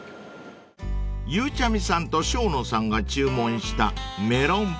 ［ゆうちゃみさんと生野さんが注文したメロンパフェ］